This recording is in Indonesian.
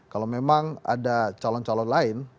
kalau memang ada calon calon lain